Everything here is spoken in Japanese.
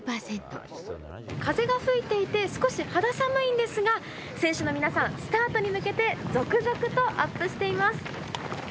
風が吹いていて少し肌寒いんですが、選手の皆さん、スタートに向けて続々とアップしています。